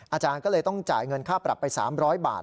อาจารย์ก็เลยต้องจ่ายเงินค่าปรับไป๓๐๐บาท